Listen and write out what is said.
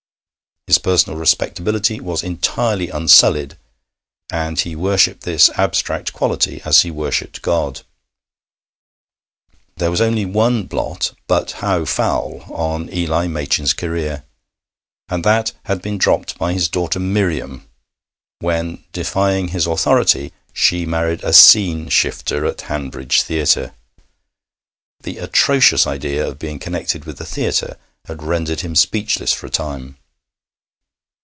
His personal respectability was entirely unsullied, and he worshipped this abstract quality as he worshipped God. There was only one blot but how foul! on Eli Machin's career, and that had been dropped by his daughter Miriam, when, defying his authority, she married a scene shifter at Hanbridge Theatre. The atrocious idea of being connected with the theatre had rendered him speechless for a time.